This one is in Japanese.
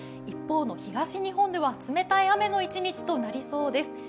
一方の東日本では冷たい雨の一日となりそうです。